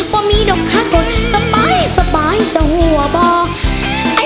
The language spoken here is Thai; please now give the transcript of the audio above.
ว่ามีดกข้างบนสบายจะหัวบอก